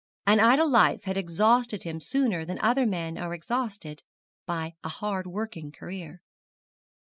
An idle life had exhausted him sooner than other men are exhausted by a hard working career.